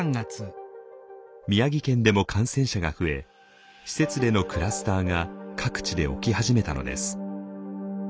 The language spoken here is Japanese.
宮城県でも感染者が増え施設でのクラスターが各地で起き始めたのです。